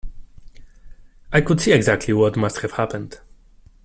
I could see exactly what must have happened.